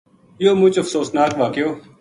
یوہ مُچ افسوس ناک واقعو